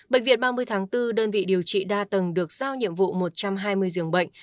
bệnh viện ba mươi tháng bốn đơn vị điều trị đa tầng được sao nhiệm vụ một trăm hai mươi giường bệnh